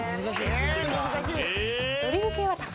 え難しい！